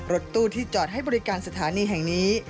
รถตู้ที่จอดให้บริการสถานีแห่งนี้